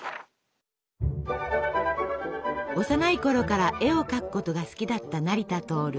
幼いころから絵を描くことが好きだった成田亨。